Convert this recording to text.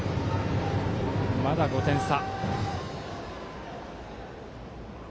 まだ５点差。